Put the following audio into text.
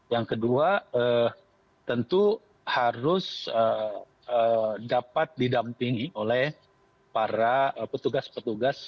yang kedua tentu harus dapat didampingi oleh para petugas petugas